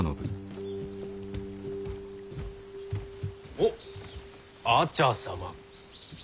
おっ阿茶様。